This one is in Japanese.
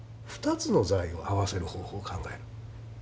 ２つの材を合わせる方法を考える。